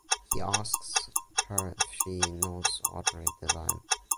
He asks her if she knows Audrey Devine.